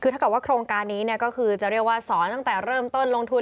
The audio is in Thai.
คือถ้าเกิดว่าโครงการนี้ก็คือจะเรียกว่าสอนตั้งแต่เริ่มต้นลงทุน